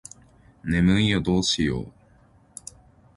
眠いよどうしよう